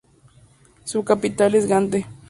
Su capital es Gante.